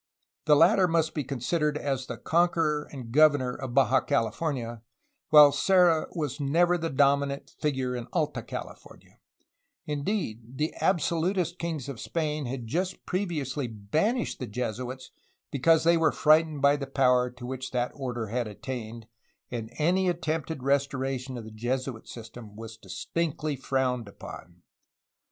The latter must be considered as the conqueror and governor of Baja California, while Serra never was the dominant figure in Alta California; indeed, the absolutist kings of Spain had just previously banished the Jesuits because they were frightened by the power to which that order had attained, and any attempted restoration of the Jesuit system was dis tinctly frowned upon.